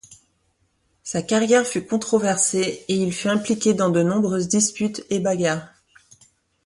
Sa carrière fut controversée et il fut impliqué dans de nombreuses disputes et bagarres.